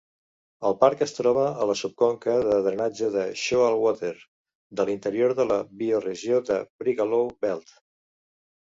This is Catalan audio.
El parc es troba a la subconca de drenatge de Shoalwater de l'interior de la bioregió de Brigalow Belt.